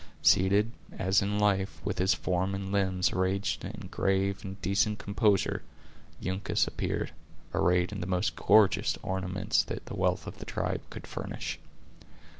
Seated, as in life, with his form and limbs arranged in grave and decent composure, Uncas appeared, arrayed in the most gorgeous ornaments that the wealth of the tribe could furnish.